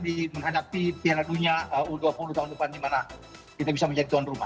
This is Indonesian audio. di menghadapi piala dunia u dua puluh tahun depan di mana kita bisa menjadi tuan rumah